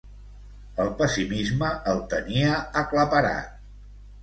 El pessimisme el tenia aclaparat.